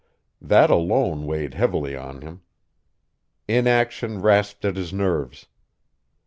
That alone weighed heavily on him. Inaction rasped at his nerves.